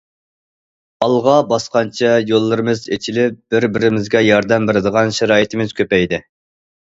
ئالغا باسقانچە يوللىرىمىز ئېچىلىپ، بىر- بىرىمىزگە ياردەم بېرىدىغان شارائىتىمىز كۆپەيدى.